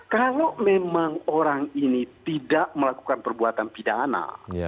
kalau memang orang ini tidak melakukan perbuatan pidana